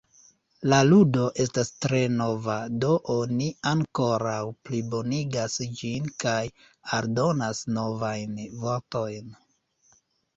La ludo estas tre nova, do oni ankoraŭ plibonigas ĝin kaj aldonas novajn vortojn.